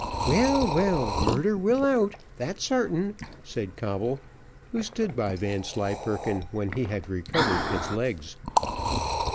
"Well, well, murder will out! that's sartain," said Coble, who stood by Vanslyperken when he had recovered his legs.